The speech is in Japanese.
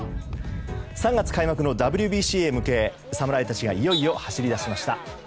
３月開幕のＷＢＣへ向け侍たちがいよいよ走り出しました。